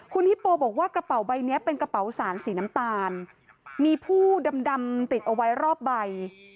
คุณฮิปโปบอกว่ากระเป๋าใบเนี้ยเป็นกระเป๋าสารสีน้ำตาลมีผู้ดำดำติดเอาไว้รอบใบ